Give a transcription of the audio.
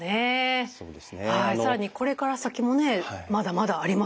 更にこれから先もねまだまだありますね。